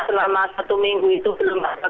selama satu minggu itu belum ada